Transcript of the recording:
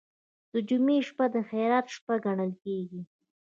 د جمعې شپه د خیرات شپه ګڼل کیږي.